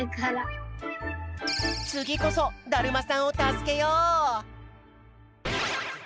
つぎこそだるまさんをたすけよう！